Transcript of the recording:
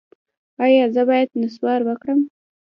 ایا زه باید نسوار وکړم؟